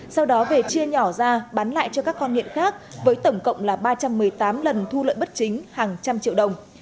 sau đó về chia nhỏ ra bán lại cho các con nghiện khác với tổng cộng là ba trăm một mươi tám lần thu lợi bất chính hàng trăm triệu đồng